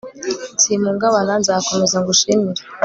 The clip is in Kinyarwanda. simpungabana, nzakomeza ngushimire